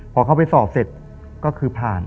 พอเข้าไปสอบเสร็จก็คือผ่าน